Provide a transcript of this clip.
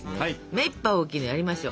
目いっぱい大きいのやりましょう。